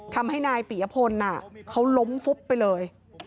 ทำให้นายปียพลเขาล้มฟุบไปเลย